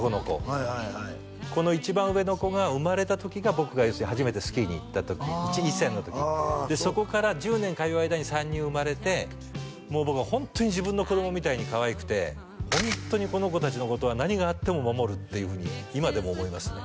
はいはいこの一番上の子が生まれた時が僕が初めてスキーに行った時１歳の時そこから１０年通う間に３人生まれてもう僕はホントに自分の子供みたいにかわいくてホントにこの子達のことは何があっても守るっていうふうに今でも思いますね